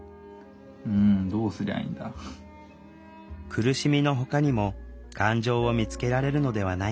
苦しみのほかにも感情を見つけられるのではないか。